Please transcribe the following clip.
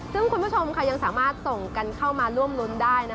ซึ่งคุณผู้ชมยังสามารถส่งกันเข้ามาร่วมรุ้นได้